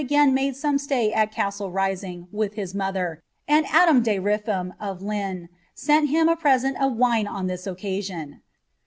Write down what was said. again made •onus stay at Castle Rising with his mother, and Adam de Riffham, of I^fut, seat him a present of wine on this occasion.